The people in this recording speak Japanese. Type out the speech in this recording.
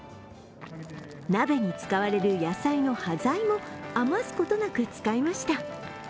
鍋に使われる野菜の端材も余すことなく使いました。